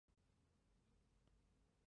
埃吉耶。